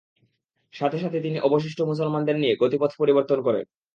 সাথে সাথে তিনি অবশিষ্ট মুসলমানদের নিয়ে গতিপথ পরিবর্তন করেন।